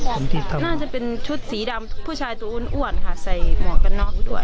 ผมที่ทำน่าจะเป็นชุดสีดำผู้ชายตัวอ้วนอ้วนค่ะใส่หมอกันนอกด้วย